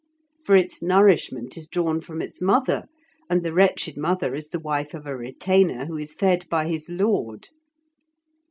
For its nourishment is drawn from its mother, and the wretched mother is the wife of a retainer who is fed by his lord.